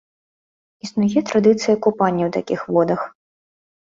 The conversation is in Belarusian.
Існуе традыцыя купання ў такіх водах.